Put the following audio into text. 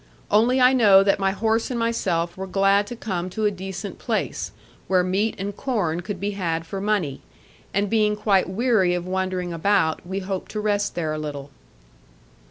Only I know that my horse and myself were glad to come to a decent place, where meat and corn could be had for money; and being quite weary of wandering about, we hoped to rest there a little.